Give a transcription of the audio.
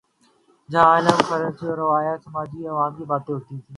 جہاں علم، کلچر، روایت یا سماجی علوم کی بات ہوتی ہے۔